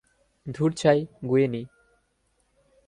ধুর ছাই, গুয়েনি।